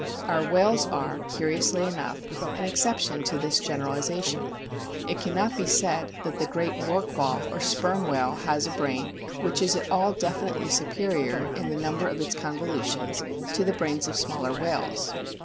Our whales are, curiously enough, an exception to this generalisation ; it cannot be said that the great Rorqual or Sperm whale has a brain which is at all definitely superior in the number of its convolutions to the brains of smaller whales.